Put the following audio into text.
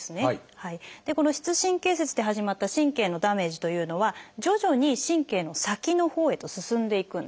この膝神経節で始まった神経のダメージというのは徐々に神経の先のほうへと進んでいくんです。